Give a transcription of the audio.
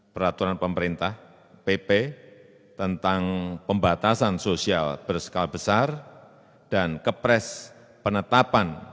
peraturan pemerintah pp tentang pembatasan sosial berskala besar dan kepres penetapan